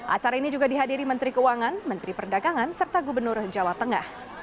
acara ini juga dihadiri menteri keuangan menteri perdagangan serta gubernur jawa tengah